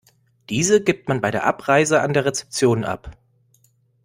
Diese gibt man bei der Abreise an der Rezeption ab.